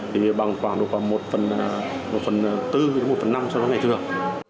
thì bằng khoảng được khoảng một phần bốn một phần năm cho cái ngày thường